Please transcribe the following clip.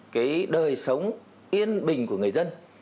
cái đời sống yên bình của người dân